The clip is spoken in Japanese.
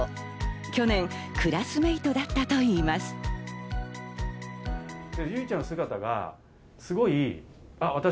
去年クラスメイトだったといいます。